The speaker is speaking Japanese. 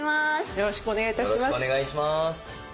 よろしくお願いします。